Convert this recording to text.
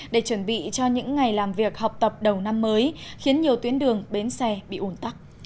để chuẩn bị cho những ngày làm việc học tập đầu năm mới khiến nhiều tuyến đường bến xe bị ủn tắc